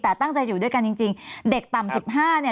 แต่ตั้งใจอยู่ด้วยกันจริงจริงเด็กต่ำสิบห้าเนี่ย